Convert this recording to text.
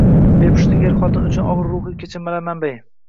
Bepushtlik er-xotin uchun og‘ir ruhiy kechinmalar manbai.